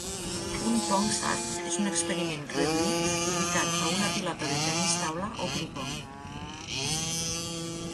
Un PongSat és un experiment reduït ubicat a una pilota de tennis taula o ping-pong.